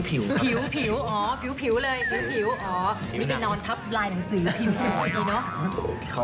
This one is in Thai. ผิวอ๋อผิวเลยผิวอ๋อวิธีนอนครับไลน์หนังสือพิมพ์ดีเนอะ